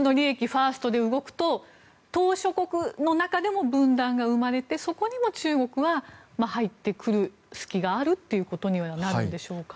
ファーストで動くと島しょ国の中でも分断が生まれてそこにも中国は入ってくる隙があるということになるんでしょうか？